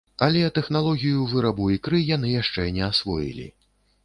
Але тэхналогію вырабу ікры яны яшчэ не асвоілі.